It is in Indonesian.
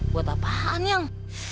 buat apaan yang